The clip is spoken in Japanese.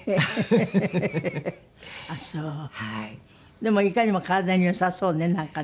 でもいかにも体に良さそうねなんかね。